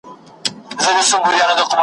ډېر ژر خپله راتلونکې هم له لاسه ورکوي